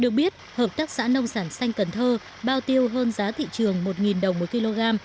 được biết hợp tác xã nông sản xanh cần thơ bao tiêu hơn giá thị trường một đồng một kg